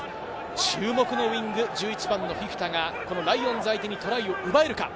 注目のウイング、１１番のフィフィタがライオンズ相手にトライを奪えるか。